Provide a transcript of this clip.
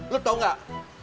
lo tau gak